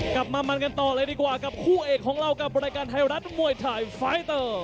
กลับมามันกันต่อเลยดีกว่ากับคู่เอกของเรากับรายการไทยรัฐมวยไทยไฟเตอร์